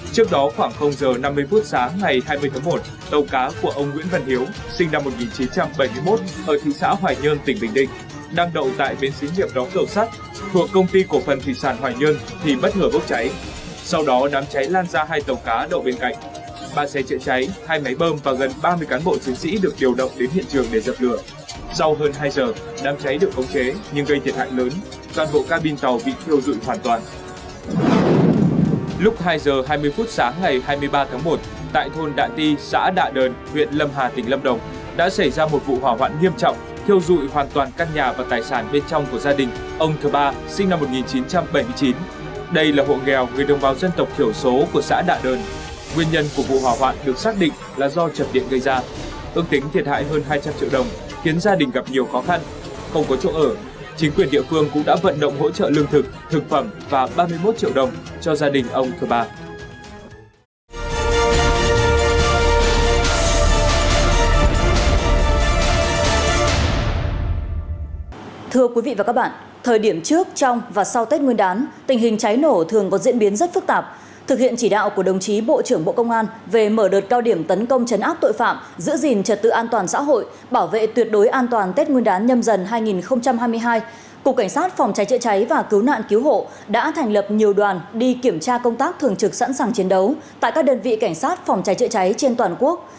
cục cảnh sát phòng trái trợ cháy và cứu nạn cứu hộ đã thành lập nhiều đoàn đi kiểm tra công tác thường trực sẵn sàng chiến đấu tại các đơn vị cảnh sát phòng trái trợ cháy trên toàn quốc